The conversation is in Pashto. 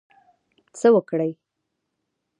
څه وکړی.